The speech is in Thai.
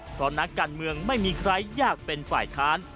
เพราะนักการเมืองไม่มีใครอยากเป็นฝ่ายค้าน